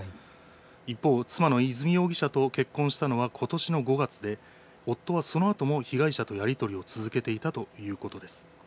一方、妻の和美容疑者と結婚したのはことしの５月で夫はそのあとも被害者とやり取りを続けていたということです。